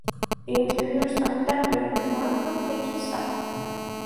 The interiors are decorated with monochrome painted stucco.